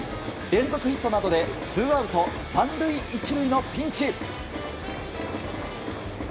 連続ヒットなどでツーアウト３塁１塁のピンチ。